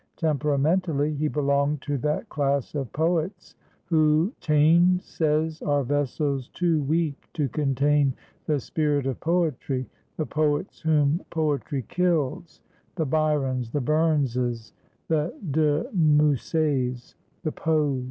Temperamentally, he belonged to that class of poets who Taine says are vessels too weak to contain the spirit of poetry, the poets whom poetry kills, the Byrons, the Burns's, the De Mussets, the Poes.